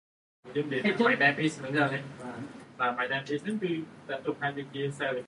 Weiss's music includes strains of every rhythmic style from nursery rhymes to zydeco.